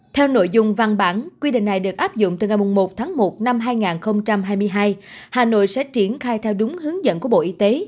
theo nội dung văn bản quy định này được áp dụng từ ngày một tháng một năm hai nghìn hai mươi hai hà nội sẽ triển khai theo đúng hướng dẫn của bộ y tế